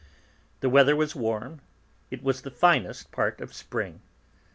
The weather was warm; it was the finest part of the spring.